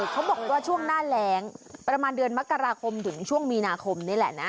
เขาบอกว่าช่วงหน้าแรงประมาณเดือนมกราคมถึงช่วงมีนาคมนี่แหละนะ